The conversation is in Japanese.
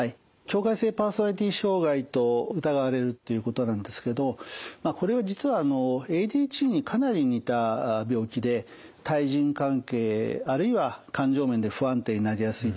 境界性パーソナリティー障害と疑われるっていうことなんですけどこれは実はＡＤＨＤにかなり似た病気で対人関係あるいは感情面で不安定になりやすいといった特徴がございます。